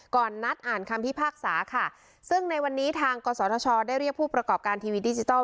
ก่อนนัดอ่านคำพิพากษาค่ะซึ่งในวันนี้ทางกศธชได้เรียกผู้ประกอบการทีวีดิจิทัล